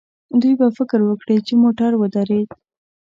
دوی به فکر وکړي چې موټر ودرېد.